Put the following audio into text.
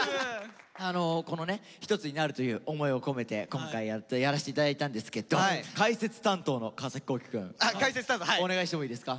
このね一つになるという思いを込めて今回やらせて頂いたんですけど解説担当の川皇輝君お願いしてもいいですか？